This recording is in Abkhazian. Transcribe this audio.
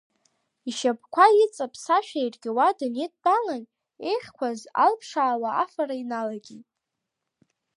Ишьапқәа иҵаԥсашәа иаргьы уа дынидтәалан, еиӷьқәаз алԥшаауа афара иналагеит.